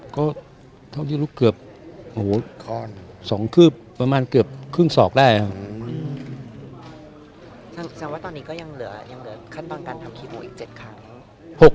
ข้าวนี้ลูกเกือบสองขื้นสองได้ครับ